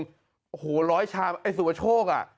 โอ้โหร้อยชามไอ้สุปโชคอ่ะ